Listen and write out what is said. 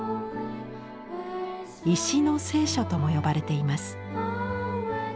「石の聖書」とも呼ばれています。